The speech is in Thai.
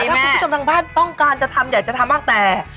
ถ้าคุณผู้ชมทางบ้านต้องการจะทำอยากจะทำบ้างแต่